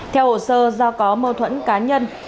theo hộ sơ do có mâu thuẫn cá nhân